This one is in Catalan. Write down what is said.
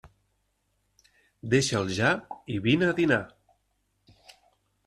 Deixa'l ja i vine a dinar.